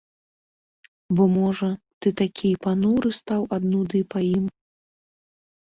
Бо, можа, ты такі і пануры стаў ад нуды па ім.